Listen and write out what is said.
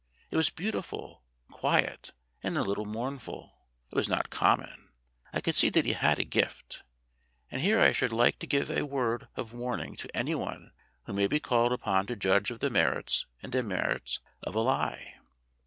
It was beautiful, quiet, and a little mournful. It was not common. I could see that he had a gift. And here I should like to give a word of warning to anyone who may be called upon to judge of the merits and demerits of a lie.